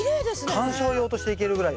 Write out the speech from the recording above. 観賞用としていけるぐらい。